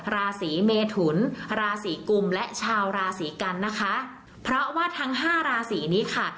ราศีเมทุนราศีกุมและชาวราศีกันนะคะเพราะว่าทั้งห้าราศีนี้ค่ะ